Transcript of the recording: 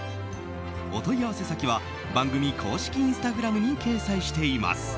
お問い合わせ先は番組公式インスタグラムに掲載しています。